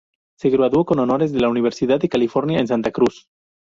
Se graduó con honores de la Universidad de California en Santa Cruz.